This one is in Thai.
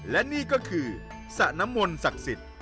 และนี่ก็คือสระน้ำมนต์ศักดิ์สิทธิ์